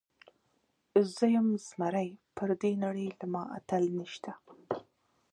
زۀ يم زمری پر دې نړۍ له ما اتل نيشته